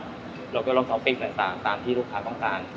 เราก็ลองซ้อมเพลงต่างตามที่ลูกค้าต้องการ